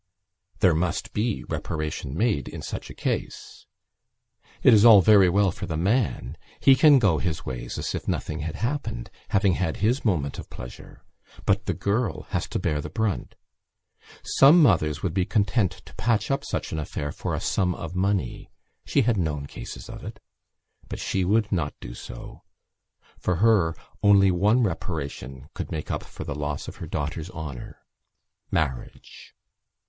There must be reparation made in such cases. It is all very well for the man: he can go his ways as if nothing had happened, having had his moment of pleasure, but the girl has to bear the brunt. Some mothers would be content to patch up such an affair for a sum of money; she had known cases of it. But she would not do so. For her only one reparation could make up for the loss of her daughter's honour: marriage.